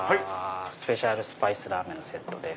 スペシャルスパイスラーメンのセットです。